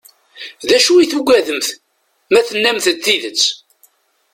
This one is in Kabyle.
D acu i tugademt ma tennamt-d tidet?